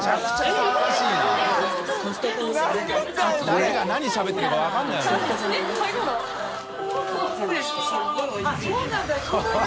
誰が何しゃべってるか分からない魯魯蓮